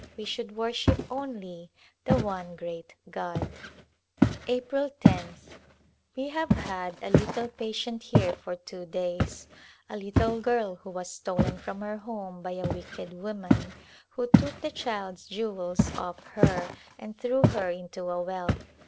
We should worship only the One Great God." April loth. We have had a little patient here for two days, a little girl who was stolen from her home by a wicked woman, who took the child's jewels off her and threw her into a well.